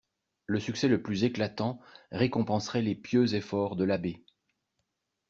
Le succès le plus éclatant récompenserait les pieux efforts de l'abbé.